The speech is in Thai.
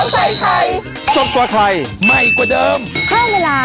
สวัสดีค่ะ